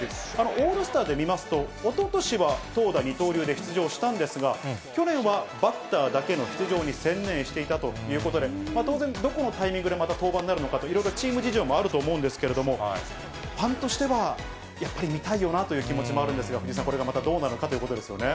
オールスターで見ますと、おととしは投打二刀流で出場したんですが、去年はバッターだけの出場に専念していたということで、当然、どこのタイミングでまた登板になるのかと、いろいろチーム事情もあると思うんですけれども、ファンとしてはやっぱり見たいよなという気持ちもあるんですが、藤井さん、これがまたどうなのかということですよね。